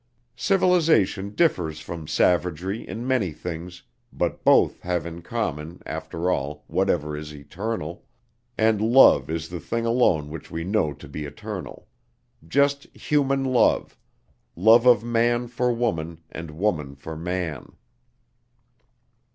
Civilization differs from savagery in many things, but both have in common, after all, whatever is eternal; and love is the thing alone which we know to be eternal. Just human love love of man for woman and woman for man.